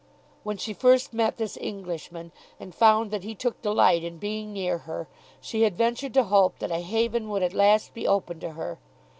When she first met this Englishman and found that he took delight in being near her, she had ventured to hope that a haven would at last be open to her.